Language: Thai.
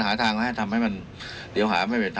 หาทางแล้วทำไว้จะไม่เปียกความชัด